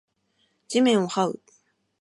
地面を這う